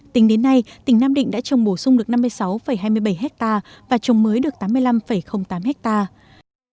tính đến nay tỉnh nam định đã trồng bổ sung được năm mươi sáu hai mươi bảy hectare và trồng mới được tám mươi năm tám hectare